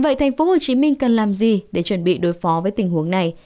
vậy thành phố hồ chí minh cần làm gì để chuẩn bị đối phó với tình huống này